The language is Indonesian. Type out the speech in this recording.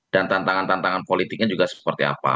dan tantangan tantangan politiknya juga seperti apa